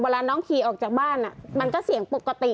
เวลาน้องขี่ออกจากบ้านมันก็เสียงปกติ